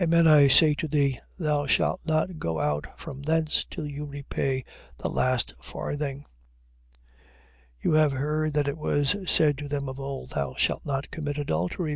Amen I say to thee, thou shalt not go out from thence till thou repay the last farthing. 5:27. You have heard that it was said to them of old: Thou shalt not commit adultery. 5:28.